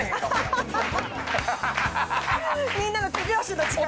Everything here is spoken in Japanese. みんなの手拍子の時間。